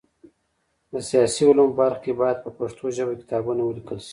د سیاسي علومو په برخه کي باید په پښتو ژبه کتابونه ولیکل سي.